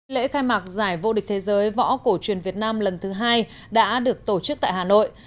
lễ khai mạc giải vô địch thế giới võ cổ truyền việt nam lần thứ hai đã được tổ chức tại hà nội